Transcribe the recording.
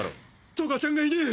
トガちゃんがいねぇ。